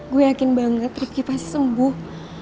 gue yakin banget ripky pasti sembuh